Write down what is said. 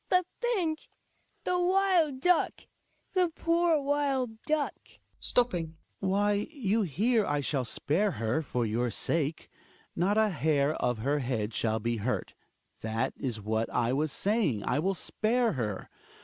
But think, the wild duck — the poor wild duck ! HJAI.MAR {stopping). Why, you hear I shall spare her — for your sake. Not a hair of her head shall be hurt; that is as I was saying, I will spare her.